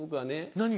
何？